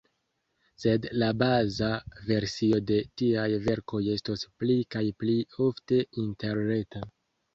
Sed la baza versio de tiaj verkoj estos pli kaj pli ofte interreta.